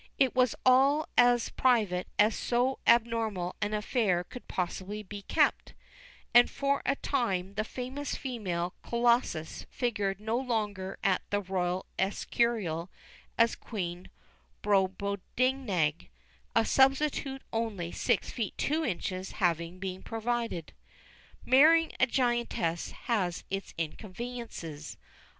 It was all as private as so abnormal an affair could possibly be kept, and for a time the famous female colossus figured no longer at the Royal Escurial as Queen Brobdingnag, a substitute only six feet two inches having been provided. Marrying a giantess has its inconveniences.